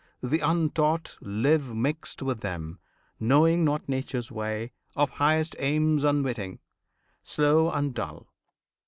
Th' untaught Live mixed with them, knowing not Nature's way, Of highest aims unwitting, slow and dull.